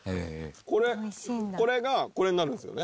これこれがこれになるんですよね？